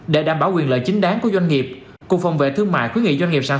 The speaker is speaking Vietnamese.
để đảm bảo quyền lợi chính đáng của doanh nghiệp cục phòng vệ thương mại khuyến nghị doanh nghiệp sản